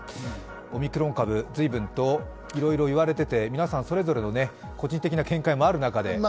オミクロン株、随分といろいろ言われていて、皆さんそれぞれの個人的な見解もある中で。